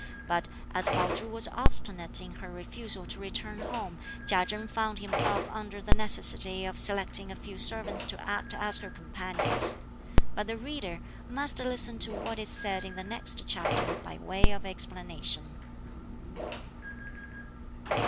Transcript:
But as Pao Chu was obstinate in her refusal to return home, Chia Chen found himself under the necessity of selecting a few servants to act as her companions. But the reader must listen to what is said in the next chapter by way of explanation.